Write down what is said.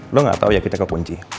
lo gak tau ya kita kekunci